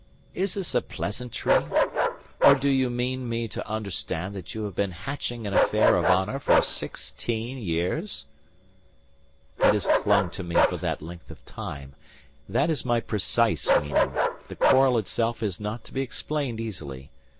Is this a pleasantry? Or do you mean me to understand that you have been hatching an affair of honour for sixteen years?" "It has clung to me for that length of time. That is my precise meaning. The quarrel itself is not to be explained easily.